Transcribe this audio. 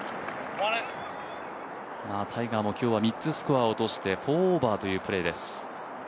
タイガーも今日は３つスコアを落として４オーバーというところです。